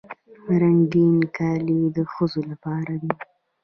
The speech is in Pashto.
رنګین کالي د ښځو لپاره دي.